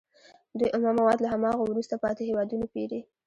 دوی اومه مواد له هماغو وروسته پاتې هېوادونو پېري